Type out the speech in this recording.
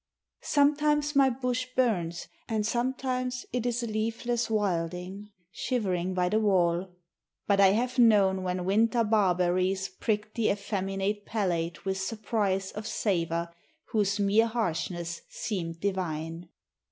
Sometimes my bush burns, and sometimes it is A leafless wilding shivering by the wall ; But I have known when winter barberries Pricked the effeminate palate with surprise Of savor whose mere harshness seemed divine.